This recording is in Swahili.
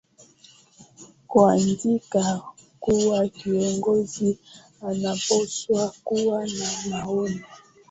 kuandika kuwa kiongozi anapaswa kuwa na maono